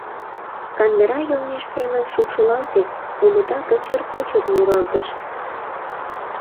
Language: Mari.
Кандыра йоҥеж семын шупшылалте, омыта кычыр-кочыр муралтыш.